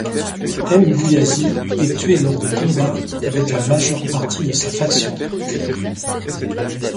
Mbuyazi est tué lors des combats avec la majeure partie de sa faction.